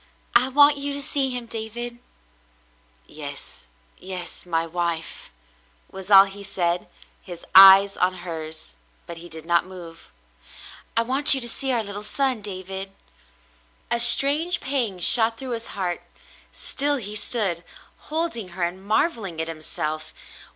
"I want you to see him, David." "Yes, yes, my wife," was all he said, his eyes on hers, but he did not move. "I want you to see our little son, David." A strange pang shot through his heart. Still he stood, holding her and marvelling at himself.